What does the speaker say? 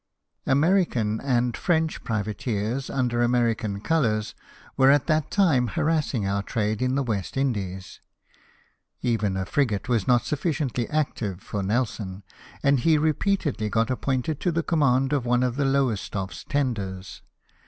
American and French privateers, under American colours, were at that time harassing our trade in the West Indies : even a frigate was not sufficiently active for Nelson, and he repeatedly got appointed to the command of one of the Loiuestoffes tenders.